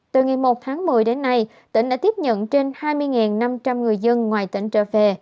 từ ngày một tháng một mươi đến nay tỉnh đã tiếp nhận trên hai mươi năm trăm linh người dân ngoài tỉnh trở về